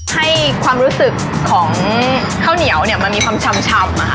ให้ความรู้สึกของข้าวเนียวมันมีความชำชำนะคะ